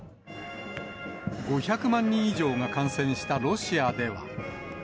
５００万人以上が感染したロシアでは。